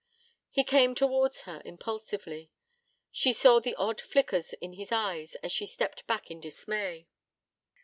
He came towards her impulsively: she saw the odd flickers in his eyes as she stepped back in dismay.